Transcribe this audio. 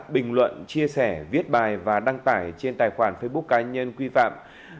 bình luận chia sẻ viết bài và đăng tải trên tài khoản facebook cá nhân quy phạm